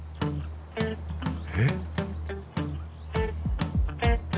えっ？